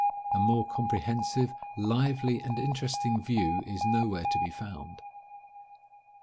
A more comprehensive, lively, and interesting view is nowhere to be found.